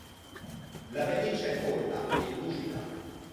La pelliccia è corta e lucida.